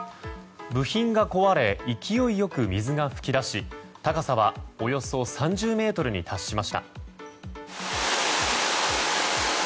部品が壊れ勢いよく水が噴き出し高さはおよそ３０ｍに達しました。